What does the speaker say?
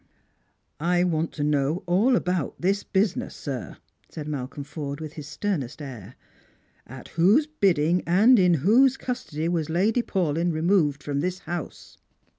" I want toknow all about this business, sir," said Malcolm Forde with his sternest air. " At whose bidding and in whose custody was Lady Paulyn removed from this house?"